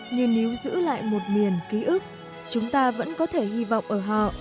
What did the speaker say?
nhưng nếu giữ lại một miền ký ức chúng ta vẫn có thể hy vọng ở họ